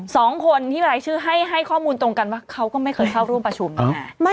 สองคนที่รายชื่อให้ข้อมูลตรงกันว่าเขาก็ไม่เคยเข้าร่วมประชุมนะคะ